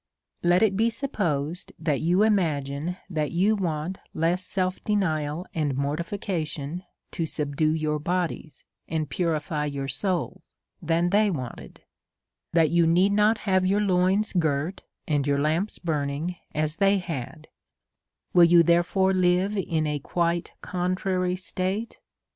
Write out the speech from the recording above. Let it be supposed, that you imagine thatyou want less self denial and mor tification to subdue your bodies, and purify your souls, than they wanted ; that you need not have your loins girt, and your lamps burning as they had ; will you therefore live in a quite contrary state?